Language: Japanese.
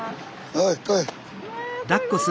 ほい来い。